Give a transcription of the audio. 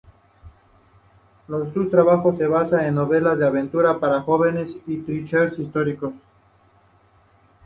Su trabajo se basa en novelas de aventura para jóvenes y thrillers históricos.